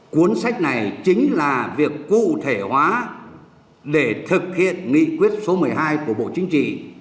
cuốn sách này chính là việc cụ thể hóa để thực hiện nghị quyết số một mươi hai của bộ chính trị